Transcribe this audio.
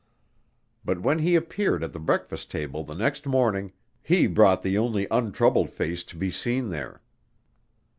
But when he appeared at the breakfast table the next morning he brought the only untroubled face to be seen there.